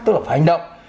tức là phải hành động